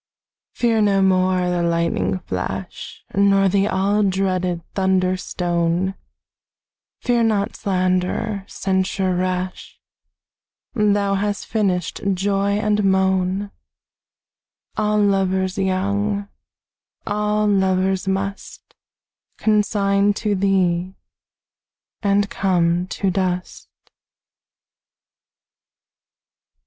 Fear no more the lightning flash Nor the all dreaded thunder stone; Fear not slander, censure rash; Thou hast finished joy and moan: All lovers young, all lovers must Consign to thee, and come to dust.